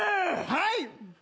はい。